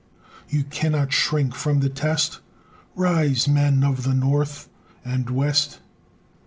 You cannot shrink from the test; Rise! Men of the North and West!